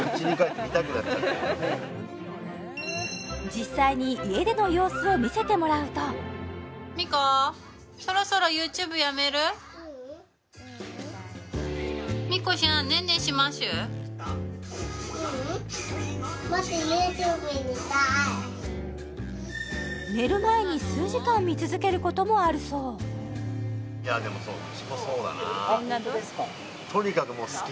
実際に家での様子を見せてもらうと・みこ寝る前に数時間見続けることもあるそうあっ